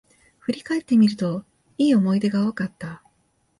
振り返ってみると、良い思い出が多かった